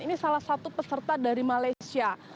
ini salah satu peserta dari malaysia